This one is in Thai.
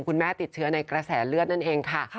คุณแม่ติดเชื้อในกระแสเลือดนั่นเองค่ะ